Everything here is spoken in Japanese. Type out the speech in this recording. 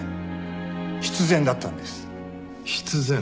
必然。